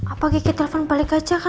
apakah gigi telpon balik saja